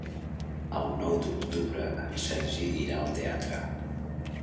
El nou d'octubre en Sergi irà al teatre.